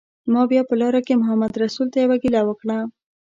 ما بیا په لاره کې محمدرسول ته یوه ګیله وکړه.